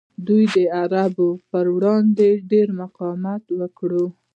دوی د عربو پر وړاندې ډیر مقاومت وکړ